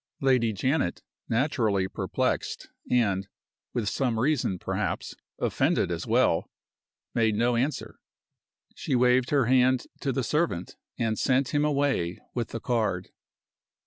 Lady Janet, naturally perplexed, and (with some reason, perhaps) offended as well, made no answer. She waved her hand to the servant, and sent him away with the card.